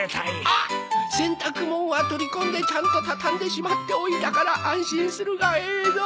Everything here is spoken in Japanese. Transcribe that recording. あっ洗濯物は取り込んでちゃんと畳んでしまっておいたから安心するがええぞ。